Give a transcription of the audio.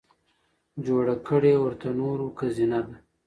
جوړه کړې ورته نورو که زينه ده